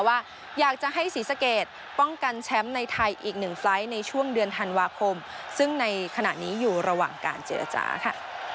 ว่าอยากจะให้ศรีสะเกดป้องกันแชมป์ในไทยอีกหนึ่งไฟล์ในช่วงเดือนธันวาคมซึ่งในขณะนี้อยู่ระหว่างการเจรจาค่ะ